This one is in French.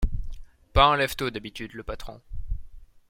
Pas un lève-tôt, d’habitude, le patron.